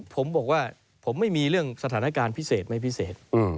ผมบอกว่าผมไม่มีเรื่องสถานการณ์พิเศษไม่พิเศษ